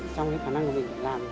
trong khả năng của mình làm